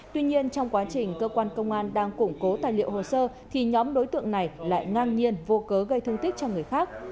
tuy nhiên trong quá trình cơ quan công an đang củng cố tài liệu hồ sơ thì nhóm đối tượng này lại ngang nhiên vô cớ gây thương tích cho người khác